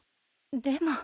でも。